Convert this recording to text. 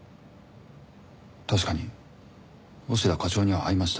確かに押田課長には会いました。